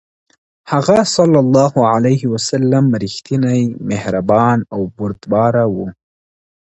هغه ﷺ رښتینی، مهربان او بردباره و.